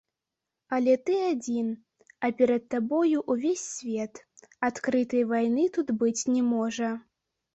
Але ты адзін, а перад табою ўвесь свет, адкрытай вайны тут быць не можа.